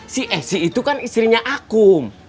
si esi itu kan istrinya akum